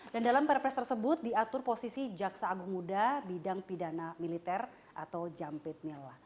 dan dalam perpres tersebut diatur posisi jaksa agung muda bidang pidana militer atau jampit mil